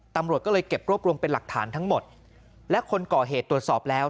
ตำรวจก็เลยเก็บรวบรวมเป็นหลักฐานทั้งหมดและคนก่อเหตุตรวจสอบแล้ว